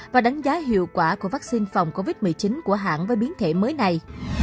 và đánh giá hiệu quả của vaccine phòng covid một mươi chín của hãng với biến thể mới này